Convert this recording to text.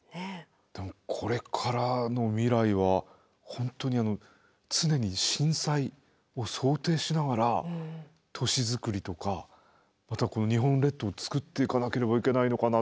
でもこれからの未来は本当に常に震災を想定しながら都市づくりとかまたこの日本列島をつくっていかなければいけないのかなって